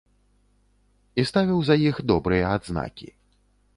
І ставіў за іх добрыя адзнакі.